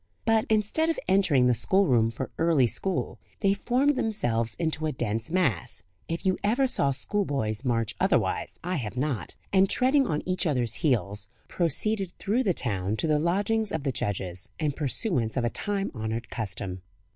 But, instead of entering the schoolroom for early school, they formed themselves into a dense mass (if you ever saw schoolboys march otherwise, I have not), and, treading on each other's heels, proceeded through the town to the lodgings of the judges, in pursuance of a time honoured custom.